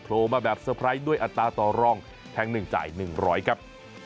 โพลมาแบบเซอร์ไพรส์ด้วยอัตราต่อร่องแทงหนึ่งจ่ายหนึ่งร้อยครับ